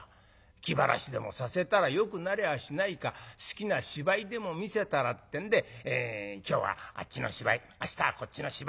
気晴らしでもさせたらよくなりゃあしないか好きな芝居でも見せたらってんで今日はあっちの芝居明日はこっちの芝居。